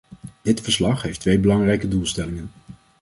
Dit verslag heeft twee belangrijke doelstellingen.